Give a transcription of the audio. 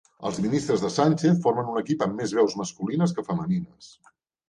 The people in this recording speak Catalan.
Els ministres de Sánchez formen un equip amb més veus masculines que femenines.